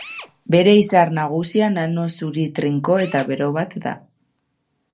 Bere izar nagusia nano zuri trinko eta bero bat da.